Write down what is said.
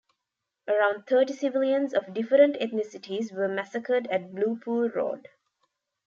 Around thirty civilians of different ethnicities were massacred at Blue Pool Road.